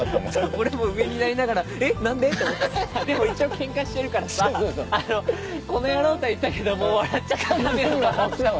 俺も上になりながら「えっ何で？」と思ってさでも一応ケンカしてるからさ「この野郎！」とは言ったけどもう笑っちゃってダメだった。